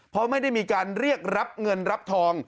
เพราะไม่ได้มีการเรียกรับเงินรับทอง